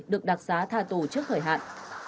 được đặc giá tha tù trước thời hạn